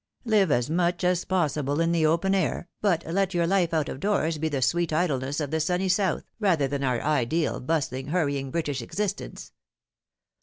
Live as much as possible in the open air, but let your life out of doors be the sweet idleness of the sunny South, rather than our ideal bustling, hurrying British existence.